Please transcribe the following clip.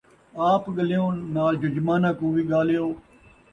آپ ڳلیوں نال ججماناں کوں وی ڳالیو